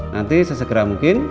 nanti sesegera mungkin